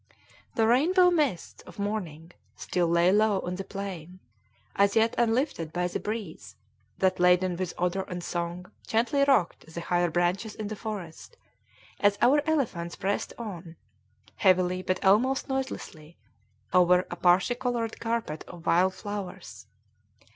The rainbow mists of morning still lay low on the plain, as yet unlifted by the breeze that, laden with odor and song, gently rocked the higher branches in the forest, as our elephants pressed on, heavily but almost noiselessly, over a parti colored carpet of wild flowers.